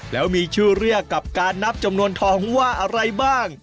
แล้วมีชื่อเรียกกับการนับจำนวนทองว่าอะไรบ้าง